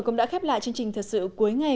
cũng đã khép lại chương trình thật sự cuối ngày